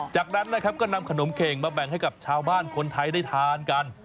จากนั้นนะครับก็นำขนมเข่งมาแบ่งให้กับชาวบ้านคนไทยได้ทานกัน